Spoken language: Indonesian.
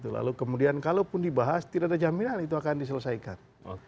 lalu kemudian kalaupun dibahas tidak ada jaminan itu akan diselesaikan